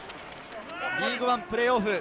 リーグワンプレーオフ。